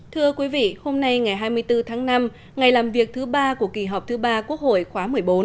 thưa quý vị hôm nay ngày hai mươi bốn tháng năm ngày làm việc thứ ba của kỳ họp thứ ba quốc hội khóa một mươi bốn